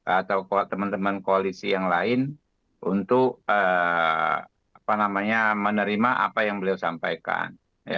atau teman teman koalisi yang lain untuk menerima apa yang beliau sampaikan